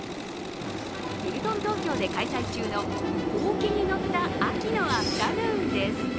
ヒルトン東京で開催中のほうきに乗った秋のアフタヌーンです。